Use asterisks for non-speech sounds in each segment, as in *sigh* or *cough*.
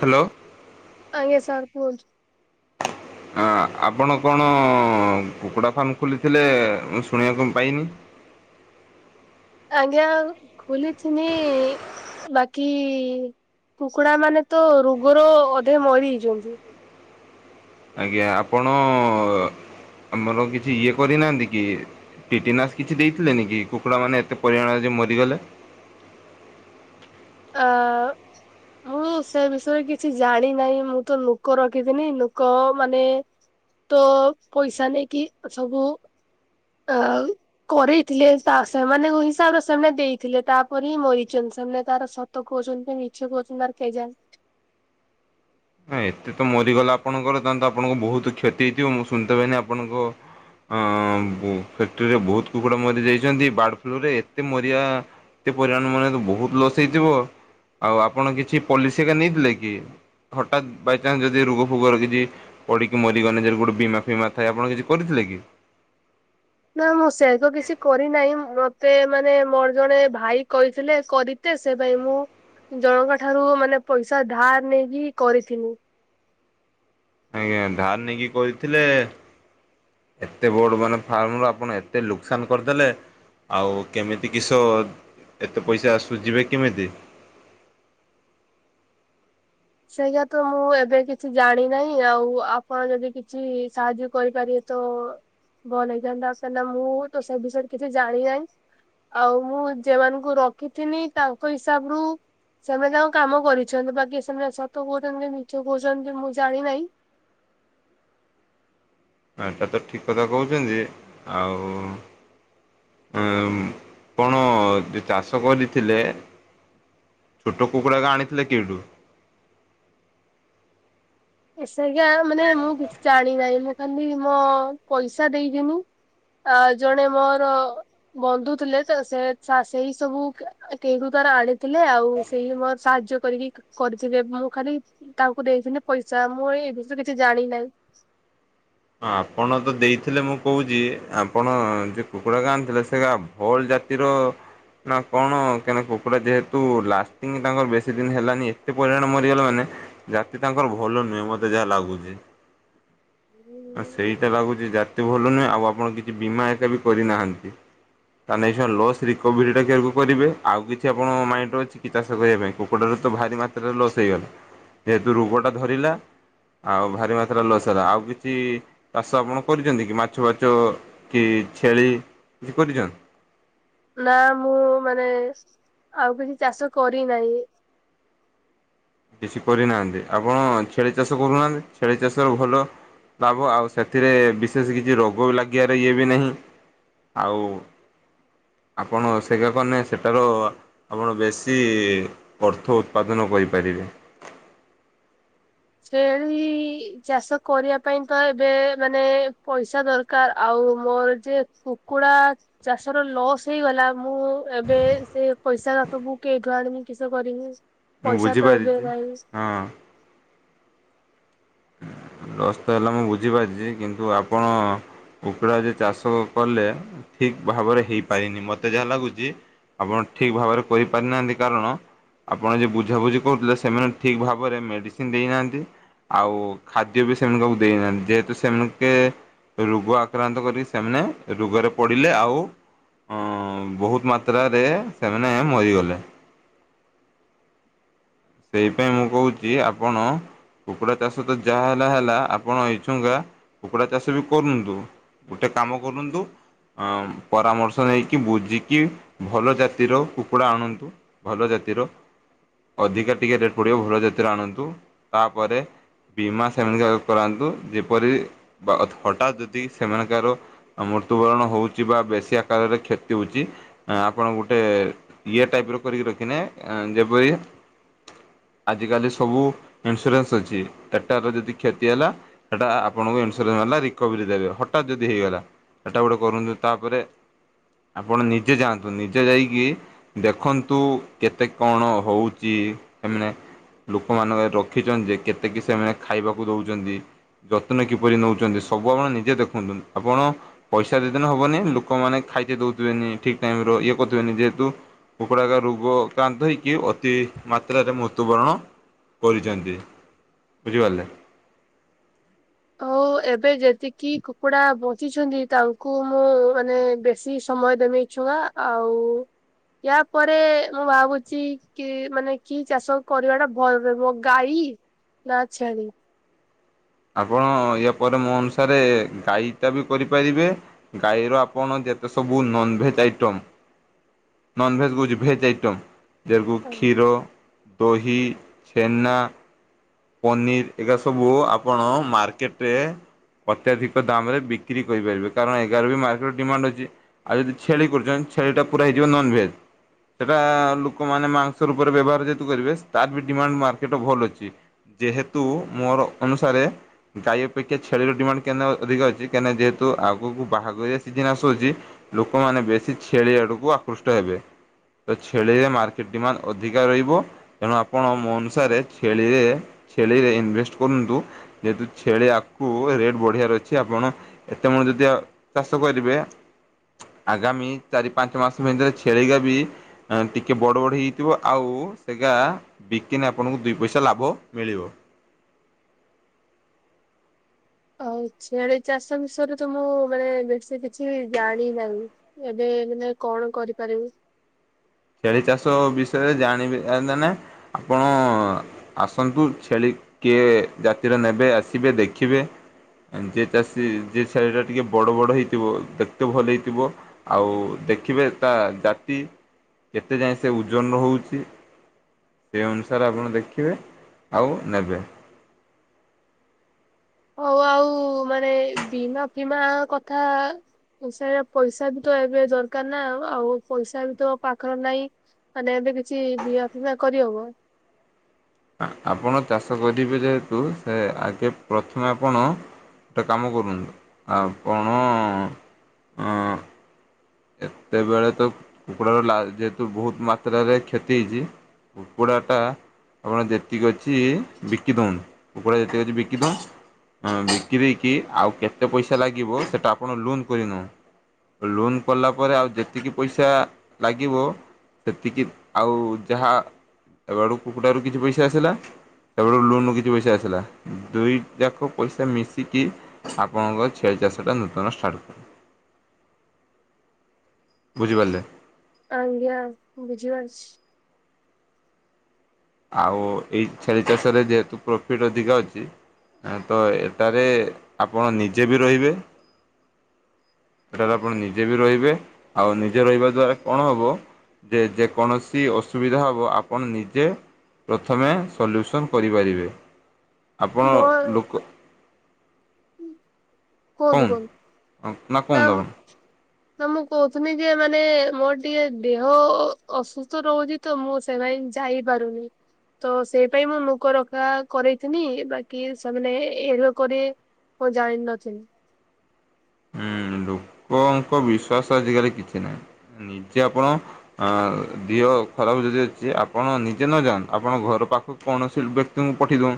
Hello. ଆଜ୍ଞା sir କୁହନ୍ତୁ? ଆପଣ କଣ କୁକୁଡ଼ା ଫାର୍ମ ଖୋଲିଥିଲେ ମୁଁ ଶୁଣିବାକୁ ପାଇନି। ଆଜ୍ଞା ଆଉ ଖୁଲିଥିନି। ବାକି କୁକୁଡାମାନେ ତ ରୋଗର ଅଧେ ମରିଜାଇଛନ୍ତି। ଆଜ୍ଞା ଆପଣ ଆମର କିଛି ଇଏ କରିନାହାଁନ୍ତି କି? ଟିଟିନାସ କିଛି ଦେଇଥିଲେନି କି କୁକୁଡ଼ା ମାନେ ଏତେ ପରିମାଣରେ ଯେ ମରିଗଲେ? ଆ ମୁଁ ସେ ବିଷୟରେ କିଛି ଜାଣି ନାହିଁ ମୁଁ ତ ଲୋକ ରଖିଥିନି ଲୋକ ମାନେ ତ ପଇସା ନେଇକି ସବୁ ଅ କରେଇଥିଲେ ସେମାନଙ୍କ ହିସାବରେ ସେମାନେ ଦେଇଥିଲେ ତାପରେ ହିଁ ମରିଛନ୍ତି ସେମାନେ ତାର ସତ କହୁଛନ୍ତି ମିଛ କହୁଛନ୍ତି ତାର କେଜାଣି? ନା ଏତେ ତ ମରିଗଲା ଆପଣଙ୍କର ତାହେ ତ ଆପଣଙ୍କ ବହୁତ କ୍ଷତି ହେଇଥିବ ମୁଁ ଶୁଣିଥିନି ଆପଣଙ୍କ ଅ ଫ୍ୟାକ୍ଟ୍ରିରେ ବହୁତ କୁକୁଡା ମରି ଯାଇଛନ୍ତି ବାର୍ଡ ଫ୍ଲୁରେ ଏତେ ମରିବା ଏତେ ପରିମାଣ ମରିବା ବହୁତ ଲସ୍ ହେଇଥିବ ଆଉ ଆପଣ କିଛି ପଲିସି ହେରିକା ନେଇଥିଲେ କି? ହଠାତ୍ ବାଇଚାନ୍ସ ଯଦି ରୋଗ ଫୋଗ ରହିଛି। ପଡିକି ମରିଗଲେ ଗୋଟେ ବୀମା ଫିମା ଥାଏ ଆପଣ କିଛି କରିଥିଲେ କି? ନା ମୁଁ ସେ ତ କିଛି କରିନାହିଁ ମତେ ମାନେ ମୋର ଜଣେ ଭାଇ କହିଥିଲେ କରି ତେ ସେ ପାଇଁ ମୁଁ ଜଣଙ୍କ ଠାରୁ ମାନେ ପଇସା ଧାର ନେଇକି କରିଥିଲି। ଆଜ୍ଞା ଧାର ନେଇକି କରିଥିଲେ। ଏତେ ବଡ ମାନେ ଫାର୍ମରୁ ଆପଣ ଏତେ ଲୋକସାନ କରିଦେଲେ। ଆଉ କେମିତି କିଷ ଏତେ ପଇସା ଶୁଯିବେ କେମିତି? ସେଇୟା ତ ମୁଁ ଏବେ କିଛି ଜାଣି ନାହିଁ ଆଉ ଆପଣ ଯଦି କିଛି ସାହାଯ୍ୟ କରିପାରିବେ? ତ ଭଲ ହେଇଥାନ୍ତା ସେ ମୁଁ ତ ସେ ବିଷୟରେ କିଛି ଜାଣି ନାହିଁ। ଆଉ ମୁଁ ଯେମାନଙ୍କୁ ରଖିଥିନି ତାଙ୍କ ହିସାବରୁୁ ସେମାନେ ଆଉ କାମ କରିଛନ୍ତି ବାକି ସେମାନେ ସତ କହୁଛନ୍ତି କି ନିଛ କହୁଛନ୍ତି ମୁଁ ଜାଣିନାହିଁ। ହଁ ଏଇଟା ତ ଠିକ୍ କଥା କହୁଛନ୍ତି ଯେ ଆଉ ଆପଣ ଯେ ଚାଷ କରିଥିଲେ? ଛୋଟ କୁକୁଡ଼ାକୁ ଆଣିଥିଲେ କେଉଁଠୁ? ଏସେୟା ମାନେ ମୁଁ କିଛି ଜାଣି ନାହିଁ ମୁଁ ଖାଲି ମୋ ପଇସା ଦେଇଦିନି ଆ ଜଣେ ମୋର ବନ୍ଧୁ ଥିଲେ ସେସାସେଇ ସବୁ କେ *unintelligible* ତାର ଆଣିଥିଲେ ଆଉ ସେଇ ମୋର ସାହାଯ୍ୟ କରିକି କରିିବେ ମୁଁ ଖାଲି ତାଙ୍କୁ ଦେଇଥିଲି ପଇସା ମୁଁ ଏ ବିଷୟରେ କିଛି ଜାଣି ନାହିଁ ହଁ ଆପଣ ତ ଦେଇଥିଲେ ମୁଁ କହୁଛି ଆପଣ ଯେ କୁକୁଡ଼ାକୁ ଆଣିଥିଲେ ସେ ଗାବ ହୋର ଜାତିର ନା କଣ କାହିଁକ କୁକୁଡ଼ା ଯେହେତୁ ଲାଷ୍ଟିଂ ତାଙ୍କର ବେଶୀ ଦିନ ହେଲାନି ଏତେ ପରିମାଣ ମରିଗଲା ମାନେ ଜାତି ତାଙ୍କର ଭଲ ନୁହେଁ ମତେ ଯାହା ଲାଗୁଛି ଆଉ ସେଇଟା ଲାଗୁଛି ଜାତି ଭଲ ନୁହେଁ ଆଉ ଆପଣ କିଛି ବୀମା ଏକା ବି କରିନାହାନ୍ତି। ତା ନେ ଏସୁନା ଲସ୍ ରିକଭରି ଟାକୁ କରିବେ ଆଉ କିଛି ଆପଣଙ୍କ ମାଇଣ୍ଡ ରେ ଅଛିକି ଚାଷ କରିବା ପାଇଁ କୁକୁଡ଼ାରୁ ତ ଭାରି ମାତ୍ରାରେ ଲସ୍ ହେଇଗଲା ଯେହେତୁ ରୋଗ ଟା ଧରିଲା ଆଉ ଭାରି ମାତ୍ରା ଲୋସରା ଆଉ ବି କିଛି ଚାଷ ଆପଣ କରିଛନ୍ତି କି ମାଛ ଫାଛ କି ଛେଳି କିଛି କରିଛନ୍ତି? ନା ମୁଁ ମାନେ ଆଉ କିଛି ଚାଷ କରି ନାହିଁ। କିଛି କରିନାହାନ୍ତି ଆପଣ ଛେଳି ଚାଷ କରୁନାହାନ୍ତି ଛେଳି ଚାଷର ଭଲ ଲାଭ ଆଉ ସେଥିରେ ବିଶେଷ କିଛି ରୋଗ ବି ଲାଗିବାର ଇଏ ବି ନାହିଁ ଆଉ ଆପଣ ସେଇଗା କନେ ସେଟାରୁ ଆପଣ ବେଶୀ ଅର୍ଥ ଉତ୍ପାଦନ କରିପାରିବେ। ଛେଳି ଚାଷ କରିବା ପାଇଁ ତ ଏବେ ମାନେ ପଇସା ଦର କାର ଆଉ ମୋର ଯେ କୁକୁଡା ଚାଷ ର ଲସ୍ ହେଇଗଲା ମୁଁ ଏବେ ସେ ପଇସା ସବୁ କେଇଠୁ ଆଣିବି କିସ କରିମି ମୁଁ ପଇସା ତ ଏବେ ବୁଝିପାରିଛି ନାଇଁ ହଁ ଲସ୍ ତ ହେଲା ମୁଁ ବୁଝିପାରିଛି କିନ୍ତୁ ଆପଣ କୁକୁଡ଼ା ଯେ ଚାଷ କଲେ ଠିକ୍ ଭାବରେ ହେଇପାରିନି ମୋତେ ଯାହା ଲାଗୁଛି ଆପଣ ଠିକ ଭାବରେ କରିପାରି ନାହାନ୍ତି କାରଣ ଆପଣ ଯେ ବୁଝାବୁଝି କରୁଥିଲେ ସେମାନେ ଠିକ୍ ଭାବରେ ମେଡ଼ିସିନ ଦେଇନାହାନ୍ତି ଆଉ ଖାଦ୍ୟ ବି ସେମାନଙ୍କୁ ଦେଇନାହାନ୍ତି ଯେହେତୁ ସେମକେ ରୋଗ ଆକ୍ରାନ୍ତ କରି ସେମାନେ ରୋଗରେ ପଡିଲେ ଆଉ ହ ବହୁତ ମାତ୍ରାରେ ସେମାନେ ମରିଗଲେ। ସେଇ ପାଇଁ ମୁଁ କହୁଛି ଆପଣ କୁକୁଡ଼ା ଚାଷ ତ ଯାହା ହେଲା ହେଲା ଆପଣ ଏଇଛୁଙ୍କା କୁକୁଡ଼ା ଚାଷ ବି କରନ୍ତୁ। ଗୋଟେ କାମ କରନ୍ତୁ। ଅ ପରାମର୍ଶ ନେଇକି ବୁଝିକି ଭଲ ଜାତିର କୁକୁଡ଼ା ଆଣନ୍ତୁ। ଭଲ ଜାତିର ଅଧିକା ଟିକେ ରେଟ ପଡିବ ଭଲ ଜାତିର ଆଣନ୍ତୁ ତାପରେ ବୀମା ସେମାନଙ୍କ କରାନ୍ତୁ ଯେପରି ହଠାତ୍ ଯଦି ସେମାନଙ୍କର ମୃତ୍ୟୁବରଣ ହଉଛି ବା ବେଶୀ ଆକାରରେ କ୍ଷତି ହଉଛି ଆପଣ ଗୋଟେ ଇଏ ଟାଇପ ର କରିକି ରଖିନେ ଯେପରି ଆଜିକାଲି ସବୁ ଇନ୍ସୁରାନ୍ସ ଅଛି ଏଟାର ଯଦି କ୍ଷତି ହେଲା। ସେଟା ଆପଣଙ୍କୁ ଇନ୍ସୁରନ୍ସ ବଲା ରିକଭରି ଦେବେ ହଠାତ୍ ଯଦି ହେଇଗଲା। ଏଟା ଗୋଟେ କରନ୍ତୁ ତାପରେ ଆପଣ ନିଜେ ଯାଆନ୍ତୁ ନିଜେ ଯାଇକି ଦେଖନ୍ତୁ କେତେ କଣ ହଉଛି। ସେମାନେ ଲୋକମାନଙ୍କ ରଖିଛନ୍ତି ଯେ କେତେକି ସେମାନେ ଖାଇବାକୁ ଦଉଛନ୍ତି। ଯତ୍ନ କିପରି ନଉଛନ୍ତି ସବୁ ଆପଣ ନିଜେ ଦେଖନ୍ତୁ ଆପଣ ପଇସା ଦେଇଦେନେ ହବନି ଲୋକମାନେ ଖାଇତେ ଦଉଥିବେନି ଠିକ ଟାଇମ ଇଏ କରୁଥିବେନି ଯେହେତୁ କୁକୁଡ଼ାକ ରୋଗ କାନ୍ତ ହେଇକି ଅତି ମା ସେଲାରେ ମୃତ୍ୟୁବରଣ କରିଛନ୍ତି ବୁଝିପାରିଲେ। ହଉ ଏବେ ଯେତିକି କୁକୁଡ଼ା ବଞ୍ଚିଛନ୍ତି ତାଙ୍କୁ ମୁଁ ମାନେ ବେଶି ସମୟ ଦେମି। ଛୁଆ ଆଉ ୟା ପରେ ମୁଁ ଭାବୁଛି କି ମାନେ କି ଚାଷ କରିବା ଟା ଭଲ ରହିବ ଗାଈ। ନା ଛେଳି। ଆପଣ ୟା ପରେ ମୋ ଅନୁସାରେ ଗାଈଟା ବି କରିପାରିବେ। ଗାଈର ଆପଣ ଯେତେ ସବୁ ନନଭେଜ ଆଇଟମ୍ ନନଭେଜ୍ କହୁଛି ଭେଜ୍ ଆଇଟମ୍ ଯରକୁ ଆଉ କ୍ଷୀର ଦହି ଛେନା। ପନିର ଏଗା ସବୁ ଆପଣ ମାର୍କେଟରେ ଅତ୍ୟଧିକ ଦାମ ରେ ବିକ୍ରି କରିପାରିବେ କାରଣ ଏଗାର ବି ମାର୍କେଟ ଡିମାଣ୍ଡ ଅଛି। ଆଉ ଯଦି ଛେଳି କରୁଛନ୍ତି ଛେଳି ଟା ପୁରା ହେଇଯିବ ନନଭେଜ। ସେଇଟା ଲୋକମାନେ ମାଂସ ରୂପରେ ବ୍ୟବହାର ଯେହେତୁ କରିବେ ତାର ବି ଡିମାଣ୍ଡ ମାର୍କେଟ ଭଲ୍ ଅଛି। ଯେହେତୁ ମୋର ଅନୁସାରେ ଗାଈ ଅପେକ୍ଷା ଛେଳିର ଡିମାଣ୍ଡ କେନ୍ ଅଧିକ ଅଛି କାହିଁନା ଯେହେତୁ ଆଗକୁ ବାହାଘରିଆ ସିଜିିନ ଆସୁଛି। ଲୋକମାନେ ବେଶୀ ଛେଳି ଆଡକୁ ଆକୃଷ୍ଟ ହେବେ। ତ ଛେଳିରେ ମାର୍କେଟ ଡିମାଣ୍ଡ ଅଧିକା ରହିବ। ତେଣୁ ଆପଣ ମୋ ଅନୁସାରେ ଛେଳିରେ ଛେଳିରେ ଇନଭେଷ୍ଟ କରନ୍ତୁ। ଯେହେତୁ ଛେଳି ଆଗକୁ ରେଟ୍ ବଢ଼ିଆର ଅଛି ଆପଣ ଏତେମେ ଯଦି ଚାଷ କରିବେ। ଆଗାମୀ ଚାରି ପାଞ୍ଚ ମାସ ଭିତରେ ଛେଳିିକା ବି ଟିକିେ ବଡ଼ ବଡ଼ ହେଇଥିବ ଆଉ ସେଗା ବିକିନେ ଆପଣଙ୍କୁ ଦୁଇ ପଇସା ଲାଭ। ମିଳିବ। ଆଉ ଚାଷ ବିଷୟରେ ତ ମୁଁ ମାନେ ବେଶୀ କିଛି ଜାଣି ନାହିଁ। ଏବେ ମାନେ କଣ କରିପାରିବି? ଛେଳି ଚାଷ ବିଷୟରେ ଜାଣିବେ ମାନେ ଆପଣ ଆସନ୍ତୁ ଛେଳି କିଏ ଜାତିର ନେବେ ଆସିବେ ଦେଖିବେ। ଯେଏ ଚାଷୀ ଯିଏ ଛେଳି ଟିକେ ବଡ଼ ବଡ଼ ହେଇଥିବ ଦେଖତେ ଭଲ ହେଇଥିବ। ଆଉ ଦେଖିବେ ତା ଜାତି କେତେ ଯାଏଁ ସେ ଓଜନ ହଉଛି? ସେହି ଅନୁସାରେ ଆପଣ ଦେଖିବେ ଆଉ ନେବେ। ହଉ ଆଉ *inaudible* ମାନେ ବୀମା ଫମା କଥା ସୋ ପଇସା ବି ତ ଏବେ ଦରକାର ନା ଆଉ ପଇସା ବି ତ ପାଖରେ ନାହିଁ। ମାନେ ଏବେ କିଛି ବିମା ଫିମା କରିହବ। ଆପଣ ଚାଷ କରିବେ ଯେହେତୁ ସେ ଆଗେ ପ୍ରଥମେ ଆପଣ। ଗଟ କାମ କରଡ଼ୁ ଆଉପନୁ। ଏତେବେଳେ ତ କୁକୁରାର ଲା ଯେହେତୁ ବହୁତ ମାତ୍ରାରେ କ୍ଷତି ହେଇଛି ଉପପଡ଼ଟା। ଆପଣ ଯେତିକି ଅଛି ବିକିଦଉନ୍ତୁ କୁକୁଡ଼ା ଯେତିକି ଅଛି ବିକିଥାଉ। ହ ବିକି ଦେଇକି ଆଉ କେତେ ପଇସା ଲାଗିବ ସେଇଟା ଆପଣ ଲୋନ୍ କରିନେ। ଲୋନ୍ କଲା ପରେରେ ଆଉ ଯେତିକି ପଇସା ଲାଗିବ ସେତିକି ଆଉ ଯାହା ତା ଆଡ଼ୁ କୁକୁଡ଼ାରୁ କିଛି ପଇସା ଆସିଲା। ତାପଳ ଲୋନୁ କିଛି ପଇସା ଆସିଲା ଦୁଇ ଯାକ ପଇସା ମିଶିକି। ଆପଣଙ୍କ ଛିଆ ଚାଷ ଟା ନୂତନ ଷ୍ଟାର୍ଟ କ ବୁଝିପାରିଲେ। ଆ ଆ୍ଞ ବୁଝି ବାସ। ଆଉ ଏଇ ଛେଳି ଚାଷରେ ଯେହେତୁ ପ୍ରଫିଟ ଅଧିକ ଅଛି। ତ ଏଠାରେ ଆପଣ ନିଜେ ବି ରହିବେ। ସେଠାରେ ଆପଣ ନିଜେ ବି ରହିବେ ଆଉ ନିଜେ ରହିବା ଦ୍ଵାରା କଣ ହବ। ଯେ ଯେକୌଣସି ଅସୁବିଧା ହବ ଆପଣ ନିଜେ ପ୍ରଥମେ ସଲ୍ୟୁସନ୍ କରିପାରିବେ ଆପଣ ମୋ ଲୋକ କଣ କୁହନ୍ତୁ କୁହନ୍ତୁ ନା। କୁହନ୍ତୁ ଆପଣ ହୁଁ ତ ମୁଁ କହୁଥିଲି ଯେ ମାନେ ମୋର ଟିକେ ଦେହ ଅସୁସ୍ଥ ରହୁଛି। ତ ମୁଁ ସେମାନେ ଯାଇପାରୁନି। ତ ସେଇ ପାଇଁ ମୁଁ ମୁକ ରଖା କରରେଇିନି ବାକି ସେମାନେ ଏ କରି ମୁଁ ଜାଣିନଥିଲି। ହୁଁ ଲୋକଙ୍କ ବିଶ୍ଵାସ ଆଜିକାଲି କିଛି ନାହିଁ ନିଜେ ଆପଣ ଅ ଦେହ ଖରାପ ଯଦି ଅଛି ଆପଣ ନିଜେ ନ ଯାଆ ଆପଣ ଘର ପାଖକୁ କୌଣସି ବ୍ୟକ୍ତିଙ୍କୁ ପଠେଇ ଦଉ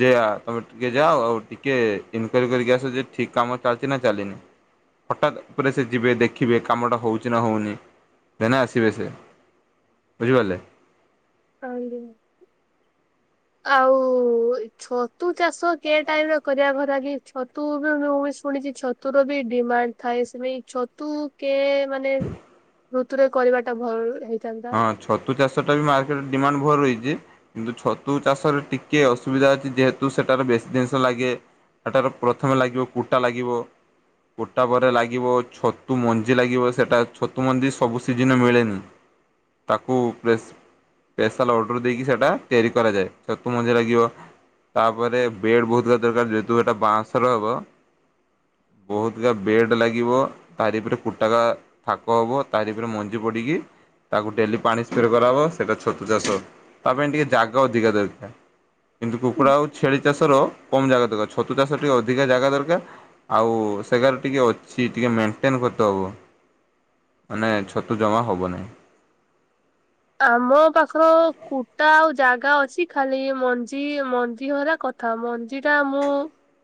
ଯେ ତମେ ଟିକେ ଯାଅ ଆଉ ଟିକେ ଇନକ୍ୟାରି କରିକି ଆସ ଯେ ଠିକ କାମ ଚାଲି କିନା ଚାଲିନି। ହଠାତ୍ ଉପରେ ସେ ଯିବେ ଦେଖିବେ କାମଟା ହେଉଛି ନା ହେଉନି ଦେନେ ଆସିବେ ସେ। ବୁଝିପାରିଲେ? ଆଜ୍ଞା। ଆଉ ଛତୁ ଚାଷ କି ଟାଇମ ରେ କରିବାକୁ ଲାଗି ଛତୁ ବି ମୁଁ ବି ଶୁଣିଛି ଛତୁର ବି ଡିମାଣ୍ଡ ଥାଏ ସେମାଇ ଛତୁ କିଏ ମାନେ ଋତୁରେ କରିବା ଟା ଭଲ ହେଇଥାନ୍ତି ହଁ ଛତୁ ଚାଷ ଟା ବି ମାର୍କେଟରେ ଡିମାଣ୍ଡ ଭଲ ରହିଛି। କିନ୍ତୁ ଛତୁ ଚାଷରେ ଟିକେ ଅସୁବିଧା ଅଛି ଯେହେତୁ ସେଟାରେ ବେଶୀ ଜିନିଷ ଲାଗେ। ସେଟାର ପ୍ରଥମେ ଲାଗିବ କୁଟା ଲାଗିବ। କୋଟା ପରେ ଲାଗିବ ଛତୁ ମଞ୍ଜି ଲାଗିବ ସେଇଟା ଛତୁ ମଞ୍ଜି ସବୁ ସିଜିନ ମିଳେନି। ତାକୁ ପେଶ ପେସ୍ୟଲ ଅର୍ଡ଼ର ଦେଇକି ସେଇଟା ତିଆରି କରାଯାଏ ଛତୁ ମଞ୍ଜି ଲାଗିବ। ତାପରେ ବେଡ୍ ବହୁତ ଦରକାର ଯେହେତୁ ଏଟା ବାଁଶର ହବ। ବହୁତକା ବେଡ ଲାଗିବ ତାରିପରେ କୁଟକା ଥାକ ହବ ତାରିପରେ ମଞ୍ଜି ପଡିକି। ତାକୁ ଡେଲି ପାଣି ସ୍ପ୍ରେ କରାହବ ସେଇଟା ଛତୁ ଚାଷ ତା ପାଇଁ ଟିକେ ଜାଗା ଅଧିକା ଦରକାର। କିନ୍ତୁ କୁକୁଡ଼ା ଆଉ ଛେଳି ଚାଷର କମ ଜାଗା ଦରକାର ଛତୁ ଚାଷ ଟିକେ ଅଧିକା ଜାଗା ଦରକାର। ଆଉ ସେଗାରେ ଟିକେ ଅଛି ଟିକେ ମେଣ୍ଟେନ୍ କରତେ ହବ। ମାନେ ଛତୁ ଜମା ହବ ନାହିଁ। ଆମ ପାଖର କୁଟା ଆଉ ଜାଗା ଅଛି ଖାଲି ମଞ୍ଜି ମଞ୍ଜିହରା କଥା ଥା ମଞ୍ଜି ଟା ମୁଁ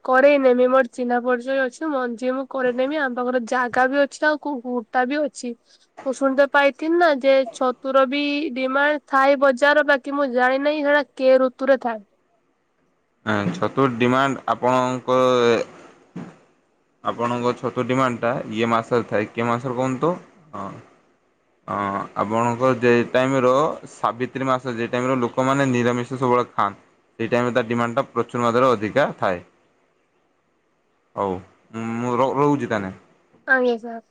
କରେଇ ନେବି ମୋର ଚିହ୍ନା ପରିଚୟ ଅଛି ମଞ୍ଜି ମୁଁ କରେନେବି ଆମ ପାଖର ଜାଗା ବି ଅଛି ଆଉ କୋଉ ଜାଗାବି ଅଛି ମୁ ଶୁଣିତେ ପାଇଥିନି ନା ଯେ ଛ ଋତୁର ବି ଡିମାଣ୍ଡ ଥାଏ ବଜାର ବାକି ମୁଁ ଜାଣି ନାହିଁ ହେଟା କେ ଋତୁରେ ଥାଏ। ହଁ ଛତୁ ଡିମାଣ୍ଡ ଆପଣଙ୍କର ଆପଣଙ୍କ ଛତୁ ଡିମାଣ୍ଡଟା ଇଏ ମାସରେ ଥାଏ କି ମାସରେ କୁହନ୍ତୁ ହଁ ହଁ ଆପଣଙ୍କ ଯେ ଟାଇମି ର ସାବିତ୍ରୀ ମାସ ଯେଉ ଟାଇମି ରେ ଲୋକମାନେ ନିରାମିଷ ସବୁବେଳେ ଖାଆନ୍ତି। ସେଇ ଟାଇମି ରେ ତା ଡିମାଣ୍ଡଟା ପ୍ରଚୁର ମାତ୍ରା ରେ ଅଧିକ ଥାଏ। ହଉ ମୁଁ ରୋ ରହୁଛି ତାଲେ ଆଜ୍ଞ ସାର୍